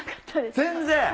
全然？